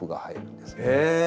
へえ！